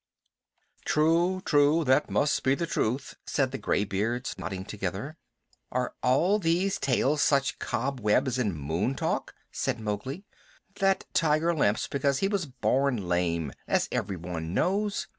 "True, true, that must be the truth," said the gray beards, nodding together. "Are all these tales such cobwebs and moon talk?" said Mowgli. "That tiger limps because he was born lame, as everyone knows.